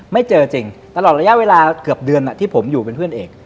ไม่เจอจริงตลอดระยะเวลาเกือบเดือนที่ผมอยู่เป็นเพื่อนเอก